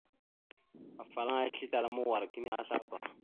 Afalaŋa islétala ma wa kini azlaba.